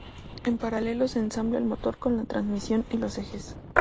En paralelo se ensambla el motor con la transmisión y los ejes.